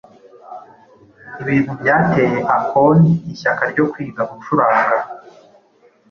ibintu byateye Akon ishyaka ryo kwiga gucuranga